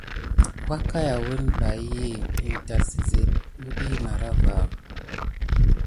Wakayawəni ɓay inda vaŋ si sezti wuadiya marava.